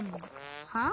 はあ？